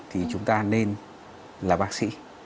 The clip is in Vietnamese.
thì chúng ta nên là bác sĩ